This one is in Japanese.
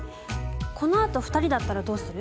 このあと２人だったらどうする？